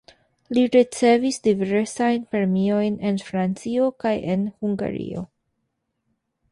Li ricevis diversajn premiojn en Francio kaj en Hungario.